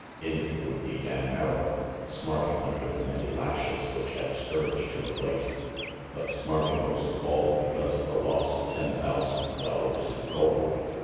In it would be Dan Merrill, smarting under the many lashes which had scourged him of late, but smarting most of all because of the loss of ten thousand dollars in gold.